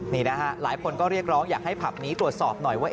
นี่นะฮะหลายคนก็เรียกร้องอยากให้ผับนี้ตรวจสอบหน่อยว่า